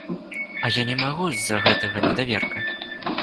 А я не магу з-за гэтага недаверка!